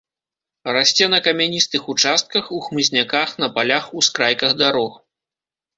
Расце на камяністых участках, у хмызняках, на палях, ускрайках дарог.